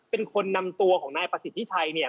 เป็นคนนำตัวของนายประสิทธิ์ที่ไทย